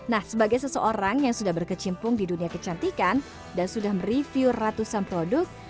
nah sebagai seseorang yang sudah berkecimpung di dunia kecantikan dan sudah mereview ratusan produk